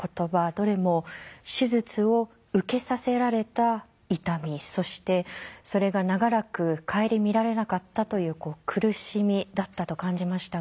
どれも手術を受けさせられた痛みそしてそれが長らく顧みられなかったという苦しみだったと感じましたが。